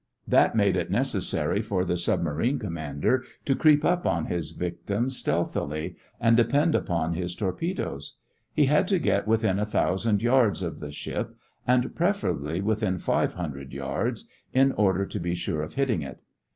That made it necessary for the submarine commander to creep up on his victims stealthily, and depend upon his torpedoes. He had to get within a thousand yards of the ship and preferably within five hundred yards, in order to be sure of hitting it.